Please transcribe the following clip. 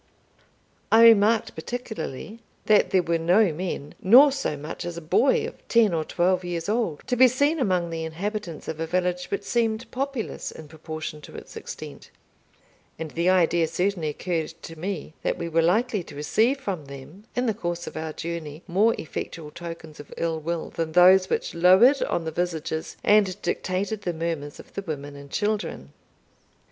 I remarked particularly that there were no men, nor so much as a boy of ten or twelve years old, to be seen among the inhabitants of a village which seemed populous in proportion to its extent; and the idea certainly occurred to me, that we were likely to receive from them, in the course of our journey, more effectual tokens of ill will than those which lowered on the visages, and dictated the murmurs, of the women and children.